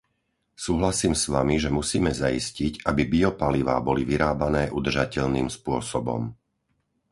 Súhlasím s Vami, že musíme zaistiť, aby biopalivá boli vyrábané udržateľným spôsobom.